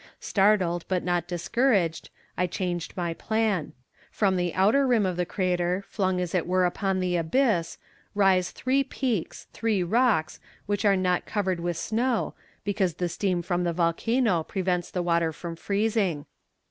Startled, but not discouraged, I changed my plan. From the outer rim of the crater, flung as it were upon the abyss, rise three peaks, three rocks, which are not covered with snow, because the steam from the volcano prevents the water from freezing.